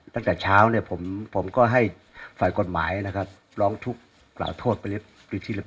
ต่างช้าผมก็ได้ร้องทุกข์กล่าวโทษไปได้เรียบร้อยแล้ว